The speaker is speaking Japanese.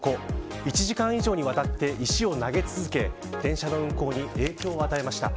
１時間以上にわたって石を投げ続け電車の運行に影響を与えました。